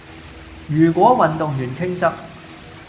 如果運動員傾側